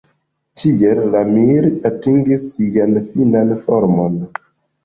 Tiel la Mir atingis sian finan formon.